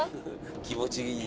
気持ちいい。